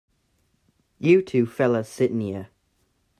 You two fellas sit in here.